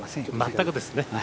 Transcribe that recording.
全くですね。